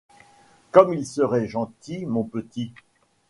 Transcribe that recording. Comme il serait gentil, mon petit !